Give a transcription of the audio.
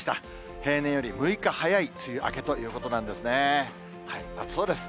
平年より６日早い梅雨明けということなんですね。